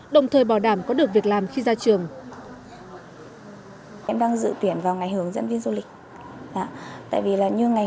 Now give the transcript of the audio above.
đồng thời bảo đảm có được việc làm khi ra trường